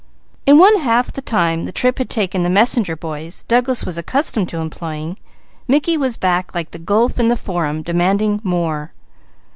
In one half the time the trip had taken the messenger boys Douglas was accustomed to employing, Mickey was back like the Gulf in the Forum, demanding "more."